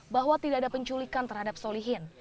bahwa tidak ada penculikan terhadap solihin